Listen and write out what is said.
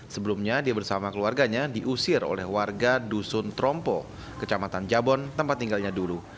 sebelumnya dia bersama keluarganya diusir oleh warga dusun trompo kecamatan jabon tempat tinggalnya dulu